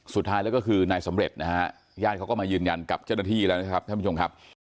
สุดท้ายแล้วก็คือนายสำเร็จนะฮะญาติเขาก็มายืนยันกับเจ้าหน้าที่แล้วนะครับท่านผู้ชมครับ